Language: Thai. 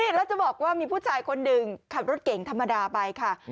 แล้วจะบอกว่ามีผู้ชายคนหนึ่งขับรถเก่งธรรมดาไปค่ะ